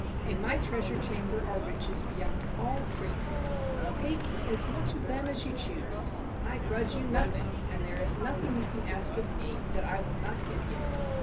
In my treasure chamber are riches be¬ yond all dreaming. Take as much of them as you choose. I grudge you nothing, and there 33 THE WONDERFUL RING is nothing you can ask of me that I will not give you."